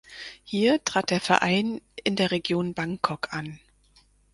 Hier trat der Verein in der Region Bangkok an.